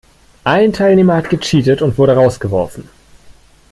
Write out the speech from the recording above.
Ein Teilnehmer hat gecheatet und wurde rausgeworfen.